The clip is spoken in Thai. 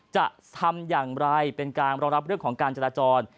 จะทำอย่างไรเป็นการรองรับเรื่องของการจราจร